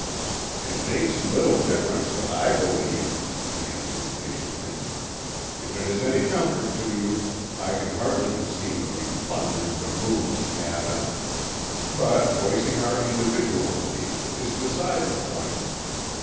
"It makes little difference what I believe," he answered patiently. "If it is any comfort to you, I can hardly conceive of you plundering the Moon's cabin. But voicing our individual beliefs is beside the point.